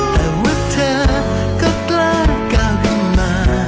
แต่ว่าเธอก็กล้าขึ้นมา